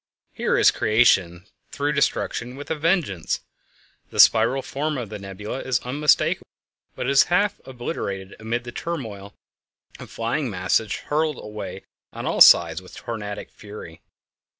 _ Here is creation through destruction with a vengeance! The spiral form of the nebula is unmistakable, but it is half obliterated amid the turmoil of flying masses hurled away on all sides with tornadic fury.